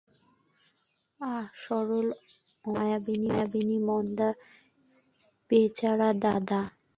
আহা, সরল অমল, মায়াবিনী মন্দা, বেচারা দাদা।